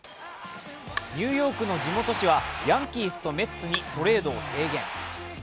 ニューヨークの地元紙はヤンキースとメッツにトレードを提言。